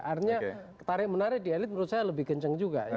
artinya tarik menarik di elit menurut saya lebih kencang juga ya